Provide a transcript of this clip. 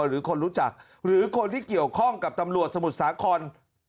หรือคนรู้จักหรือคนที่เกี่ยวข้องกับตำรวจสมุทรสาคร